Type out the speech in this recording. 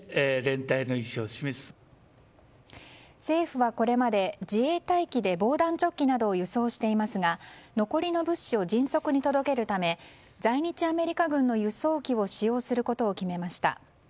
政府はこれまで自衛隊機で防弾チョッキなどを輸送していますが残りの物資を迅速に届けるため在日アメリカ軍の輸送機を使用することを決めました。